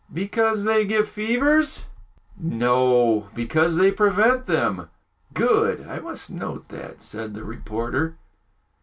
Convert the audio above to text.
'" "Because they give fevers?" "No, because they prevent them!" "Good. I must note that," said the reporter.